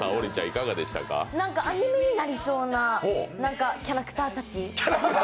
何かアニメになりそうなキャラクターたち。